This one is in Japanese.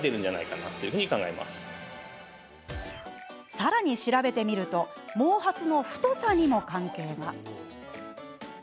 さらに、調べてみると毛髪の太さにも関係が。